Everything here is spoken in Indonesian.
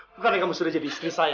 bukannya kamu sudah jadi istri saya